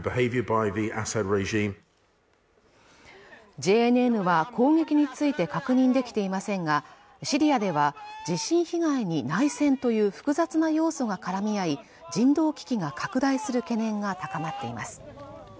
ＪＮＮは攻撃について確認できていませんがシリアでは地震被害に内戦という複雑な要素が絡み合い人道危機が拡大する懸念が高まっています